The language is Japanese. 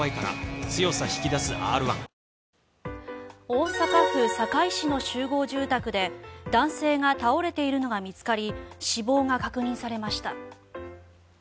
大阪府堺市の集合住宅で男性が倒れているのが見つかり死亡が確認されました。